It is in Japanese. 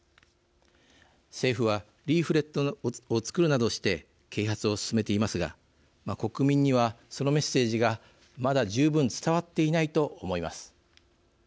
政府はリーフレットを作るなどして啓発を進めていますが国民には、そのメッセージがまだ十分、伝わっていないと思います。